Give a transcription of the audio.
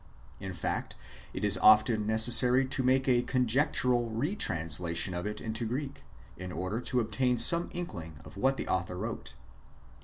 In fact, it is often necessary to make a conjectural re translation of it into Greek, in order to obtain some inkling of what the author wrote.